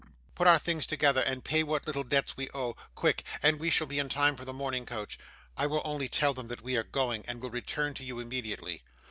Put our things together, and pay what little debts we owe quick, and we shall be in time for the morning coach. I will only tell them that we are going, and will return to you immediately.